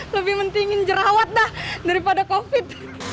lebih pentingin jerawat dah daripada covid